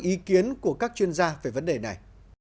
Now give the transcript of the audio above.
ý kiến của các chuyên gia về vấn đề này